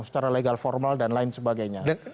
secara legal formal dan lain sebagainya